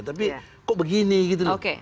tapi kok begini gitu